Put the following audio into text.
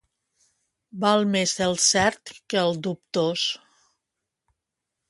Val més el cert que el dubtós.